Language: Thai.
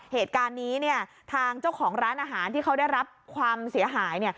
เหตุการณ์นี้ทางเจ้าของร้านอาหารที่เขาได้รับความเสียหาย